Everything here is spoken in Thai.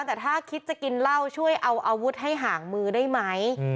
แต่ถ้าคิดจะกินเหล้าช่วยเอาอาวุธให้ห่างมือได้ไหม